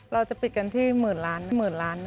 เราจะปิดกันที่๑๐๐๐๐๐๐๐บาท